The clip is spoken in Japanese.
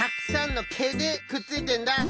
のけでくっついてんだ！